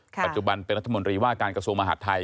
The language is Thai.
ปัจจุบันเป็นรัฐมนตรีว่าการกระทรวงมหาดไทย